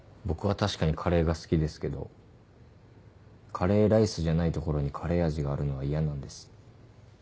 僕は確かにカレーが好きですけどカレーライスじゃないところにカレー味があるのは嫌なんです。